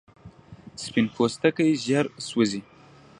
سپین پوستکی ژر سوځي